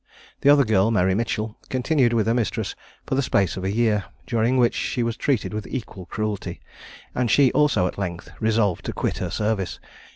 The other girl, Mary Mitchell, continued with her mistress for the space of a year, during which she was treated with equal cruelty, and she also at length resolved to quit her service.